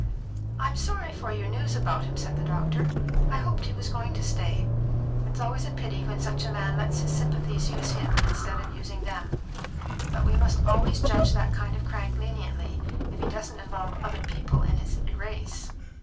"I'm sorry for your news about him," said the doctor. "I hoped he was going to stay. It's always a pity when such a man lets his sympathies use him instead of using them. But we must always judge that kind of crank leniently, if he doesn't involve other people in his erase."